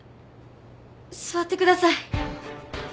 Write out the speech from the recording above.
座ってください。